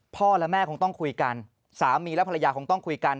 พ่อแม่คงต้องคุยกันสามีและภรรยาคงต้องคุยกัน